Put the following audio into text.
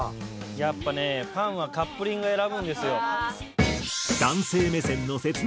やっぱねファンはカップリング選ぶんですよ。